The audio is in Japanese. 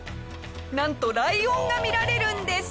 なんとライオンが見られるんです！